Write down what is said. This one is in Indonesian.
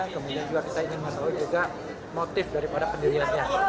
kemudian juga kita ingin mengetahui motif pendiriannya